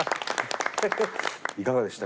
いかがでした？